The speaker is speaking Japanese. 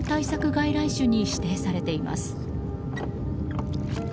外来種に指定されています。